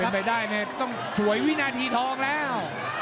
เป็นไปได้ต้องถ่วยวินาทีทองแล้ว